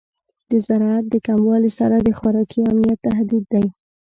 د زراعت د کموالی سره د خوراکي امنیت تهدید دی.